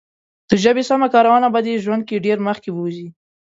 د ژبې سمه کارونه به دې ژوند کې ډېر مخکې بوزي.